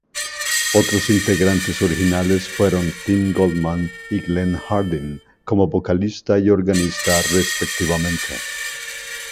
Otros integrantes originales fueron Tim Goldman y Glen Hardin como vocalista y organista respectivamente.